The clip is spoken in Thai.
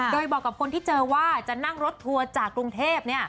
โดยบอกกับคนที่เจอว่าจะนั่งรถทัวร์จากกรุงเทพ